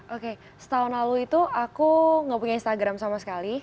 oke setahun lalu itu aku gak punya instagram sama sekali